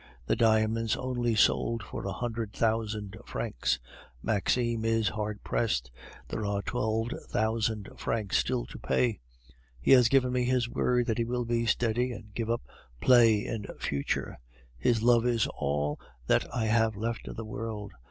"The diamonds only sold for a hundred thousand francs. Maxime is hard pressed. There are twelve thousand francs still to pay. He has given me his word that he will be steady and give up play in future. His love is all that I have left in the world.